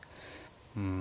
うん。